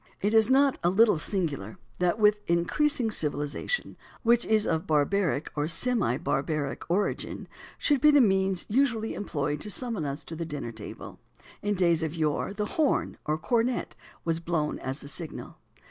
It is not a little singular that with increasing civilisation, a gong, which is of barbaric, or semi barbaric origin, should be the means usually employed to summon us to the dinner table. In days of yore the horn, or cornet, was blown as the signal.